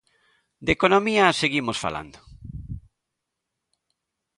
De economía seguimos falando.